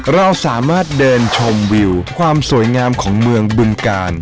เราสามารถเดินชมวิวความสวยงามของเมืองบึงกาล